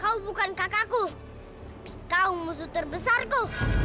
kau bukan kakakku kau musuh terbesarku